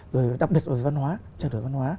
đặc biệt là về văn hóa trải đổi văn hóa